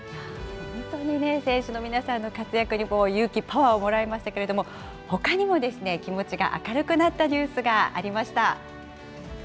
本当に選手の皆さんの活躍に勇気、パワーをもらいましたけれども、ほかにも気持ちが明るくなったニュースがありました。